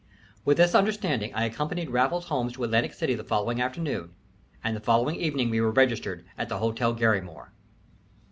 With this understanding I accompanied Raffles Holmes to Atlantic City the following afternoon, and the following evening we were registered at the Hotel Garrymore.